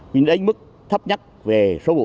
nhưng đến mức thấp nhất về số vụ